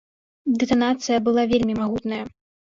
Дэтанацыя была вельмі магутная.